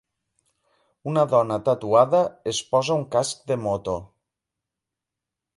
Una dona tatuada es posa un casc de moto.